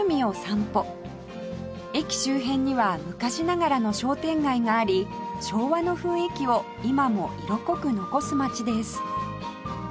駅周辺には昔ながらの商店街があり昭和の雰囲気を今も色濃く残す街です